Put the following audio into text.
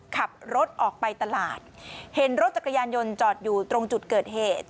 ขับรถออกไปตลาดเห็นรถจักรยานยนต์จอดอยู่ตรงจุดเกิดเหตุ